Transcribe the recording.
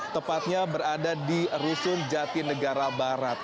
tepatnya berada di rusun jatinegara barat